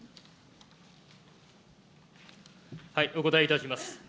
お答えいたします。